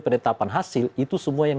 penetapan hasil itu semua yang